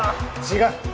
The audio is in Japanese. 違う。